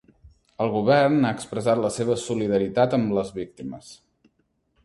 El govern ha expressat la seva solidaritat amb les víctimes.